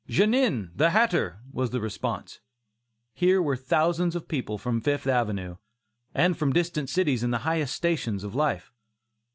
"Genin, the hatter," was the response. Here were thousands of people from the Fifth Avenue, and from distant cities in the highest stations in life.